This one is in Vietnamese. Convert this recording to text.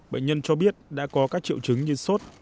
bệnh nhân cho biết đã có các triệu chứng như suốt ấn lạnh